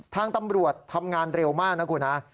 ทางตำรวจทำงานเร็วมากนะคุณฮะ